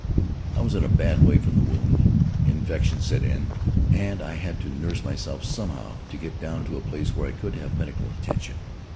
I was in a bad way from the wound. Infection set in, and I had to nurse myself somehow and get down to a place where I could have medical attention.